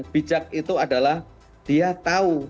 bijak itu adalah dia tahu